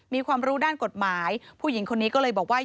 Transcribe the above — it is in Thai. มีความรู้ด้านกฎหมายผู้หญิงคนนี้ก็เลยบอกว่า